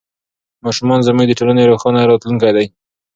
ماشومان زموږ د ټولنې روښانه راتلونکی دی.